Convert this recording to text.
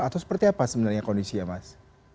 atau seperti apa sebenarnya kondisi ya mas